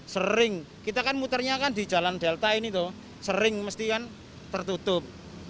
sering kita kan muternya kan di jalan delta ini tuh sering mesti kan tertutup